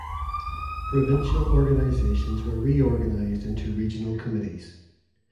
Provincial organizations were reorganized into regional committees.